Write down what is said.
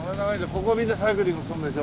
ここをみんなサイクリングするんでしょ？